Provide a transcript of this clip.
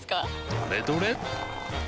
どれどれっ！